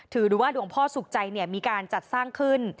หรือว่าหลวงพ่อสุขใจมีการจัดสร้างขึ้น